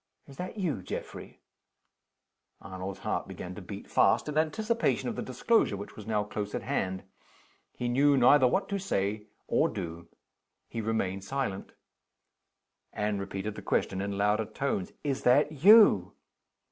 "Is that you, Geoffrey?" Arnold's heart began to beat fast, in anticipation of the disclosure which was now close at hand. He knew neither what to say or do he remained silent. Anne repeated the question in louder tones: "Is that you?"